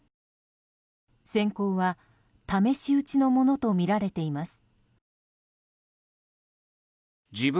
閃光は試し撃ちのものとみられています。